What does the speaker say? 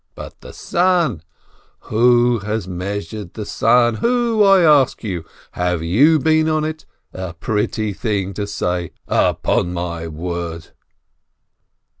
But the sun ! Who has measured the sun ! Who, I ask you! Have you been on it? A pretty thing to say, upon my word